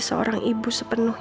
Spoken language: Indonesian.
saya ingin dititah